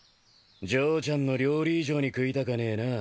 嬢ちゃんの料理以上に食いたかねえなぁ。